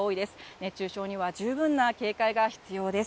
熱中症には十分な警戒が必要です。